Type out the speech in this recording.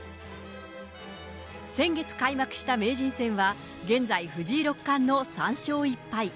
先月開幕した名人戦は、現在、藤井六冠の３勝１敗。